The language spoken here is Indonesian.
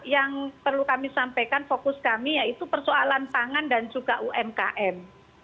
dan yang perlu kami sampaikan fokus kami yaitu persoalan pangan dan juga umkm